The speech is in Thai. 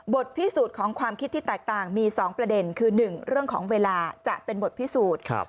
พิสูจน์ของความคิดที่แตกต่างมี๒ประเด็นคือ๑เรื่องของเวลาจะเป็นบทพิสูจน์